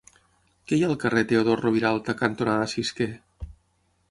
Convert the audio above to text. Què hi ha al carrer Teodor Roviralta cantonada Cisquer?